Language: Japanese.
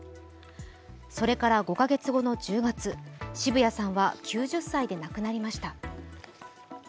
それから５か月後の１０月澁谷さんは９０歳で亡くなりました。